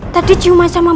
tadi ciuman sama bapaknya